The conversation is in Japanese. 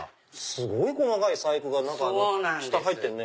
すごい細かい細工が入ってるね。